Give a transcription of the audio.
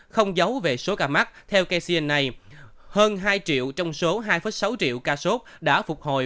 không giấu về số ca mắc theo kcen này hơn hai triệu trong số hai sáu triệu ca sốt đã phục hồi